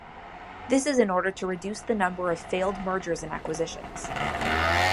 This is in order to reduce the number of failed mergers and acquisitions.